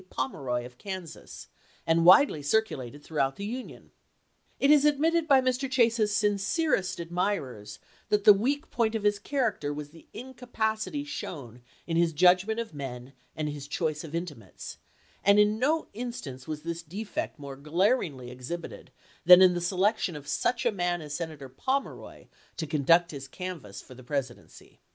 Pomeroy of Kansas, and widely circulated through the Union. It is admitted by Mr. Chase's sincerest admirers that the weak point of his character was the incapacity shown in his judgment of men and his choice of intimates ; and in no instance was this defect more glaringly exhibited than in the selection of such a man as Senator Pomeroy to conduct his canvass for the Presidency.